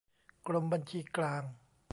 กรมบัญชีกลาง